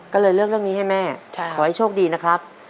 ก็เลยเลือกเรื่องนี้ให้แม่ขอให้โชคดีนะครับ